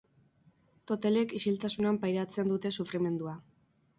Totelek isiltasunean pairatzen dute sufrimendua.